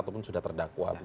ataupun sudah terdakwa begitu